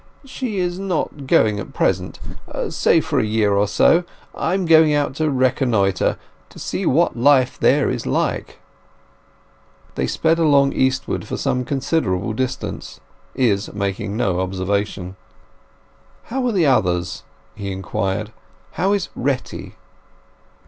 "She is not going at present—say for a year or so. I am going out to reconnoitre—to see what life there is like." They sped along eastward for some considerable distance, Izz making no observation. "How are the others?" he inquired. "How is Retty?"